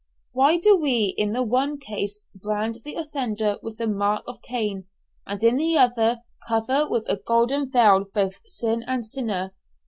Why do we in the one case brand the offender with the mark of Cain, and in the other cover with a golden veil both sin and sinner?